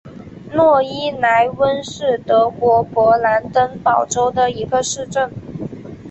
诺伊莱温是德国勃兰登堡州的一个市镇。